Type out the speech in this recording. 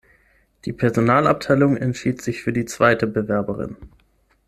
Die Personalabteilung entschied sich für die zweite Bewerberin.